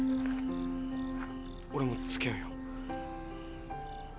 俺もつきあうよ。